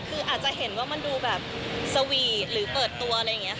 คืออาจจะเห็นว่ามันดูแบบสวีทหรือเปิดตัวอะไรอย่างนี้ค่ะ